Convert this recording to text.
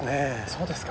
そうですか。